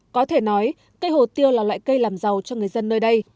có thể nói cây hồ tiêu là loại cây làm giàu cho người dân nơi đây